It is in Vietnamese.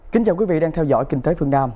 kính chào quý vị đang theo dõi kinh tế phương nam